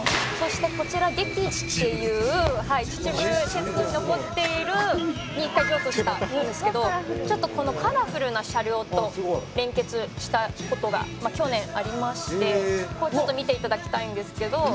「そしてこちらデキっていう秩父鉄道に残っている１回譲渡したんですけどちょっとこのカラフルな車両と連結した事が去年ありましてこれちょっと見て頂きたいんですけど」